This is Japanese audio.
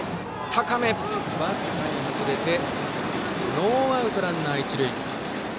高め、僅かに外れてノーアウトランナー、一塁。